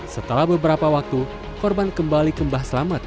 setelah beberapa waktu korban kembali kembah selamat